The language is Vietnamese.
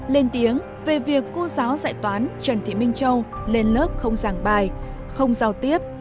lên tiếng về việc cô giáo dạy toán trần thị minh châu lên lớp không giảng bài không giao tiếp